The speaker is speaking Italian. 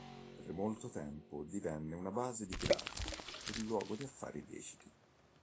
Per molto tempo divenne una base di pirati e luogo di affari illeciti.